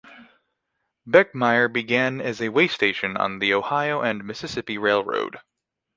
Beckemeyer began as a way station on the Ohio and Mississippi Railroad.